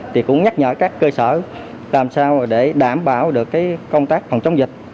thì cũng nhắc nhở các cơ sở làm sao để đảm bảo được công tác phòng chống dịch